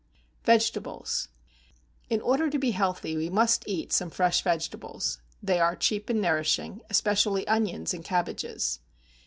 =Vegetables.= In order to be healthy we must eat some fresh vegetables; they are cheap and nourishing, especially onions and cabbages.